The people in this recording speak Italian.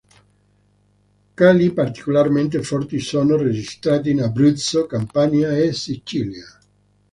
Cali particolarmente forti sono registrati in Abruzzo, Campania e Sicilia.